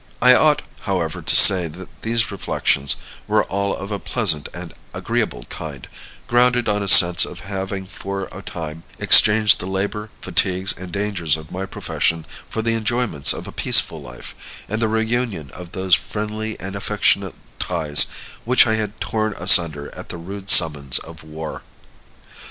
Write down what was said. "I ought, however, to say that these reflections were all of a pleasant and agreeable kind, grounded on a sense of having for a time exchanged the labor, fatigues, and dangers of my profession for the enjoyments of a peaceful life, and the reunion of those friendly and affectionate ties which I had torn asunder at the rude summons of war.